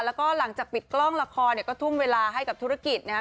แล้วก็หลังจากปิดกล้องละครเนี่ยก็ทุ่มเวลาให้กับธุรกิจนะครับ